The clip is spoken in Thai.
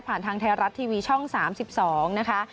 ทางไทยรัฐทีวีช่อง๓๒นะคะ